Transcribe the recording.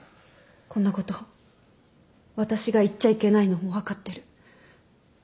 こんなこと私が言っちゃいけないのも分かってる。